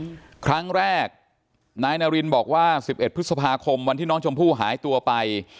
ครั้งแรกนายนารินบอกว่าสิบเอ็ดพฤษภาคมวันที่น้องชมพู่หายตัวไป